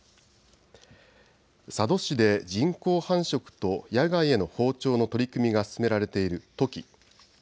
佐渡市で人工繁殖と野外への放鳥の取り組みが進められているトキ。